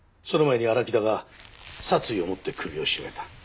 その前に荒木田が殺意を持って首を絞めた。